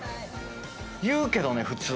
言うけどね普通。